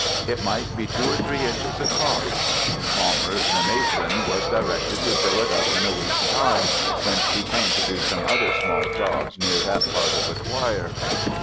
It might be two or three inches across. Palmer, the mason, was directed to fill it up in a week's time, when he came to do some other small jobs near that part of the choir.